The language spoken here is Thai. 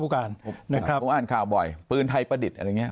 ผมอ่านข่าวบ่อยปืนไทยประดิษฐ์อะไรอย่างนี้